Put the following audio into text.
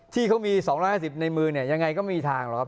ที่เขามี๒๕๐ในมือเนี่ยยังไงก็ไม่มีทางหรอกครับ